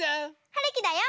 はるきだよ。